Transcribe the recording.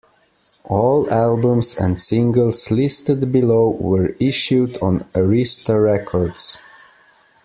All albums and singles listed below were issued on Arista Records.